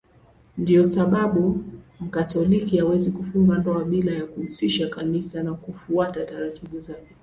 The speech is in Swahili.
Ndiyo sababu Mkatoliki hawezi kufunga ndoa bila ya kuhusisha Kanisa na kufuata taratibu zake.